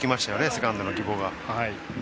セカンドの宜保が。